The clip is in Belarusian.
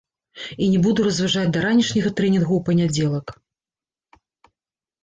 І не буду разважаць да ранішняга трэнінгу ў панядзелак.